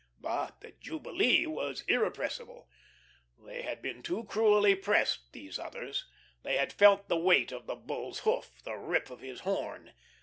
But the jubilee was irrepressible, they had been too cruelly pressed, these others; they had felt the weight of the Bull's hoof, the rip of his horn.